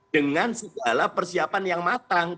dengan segala persiapan yang matang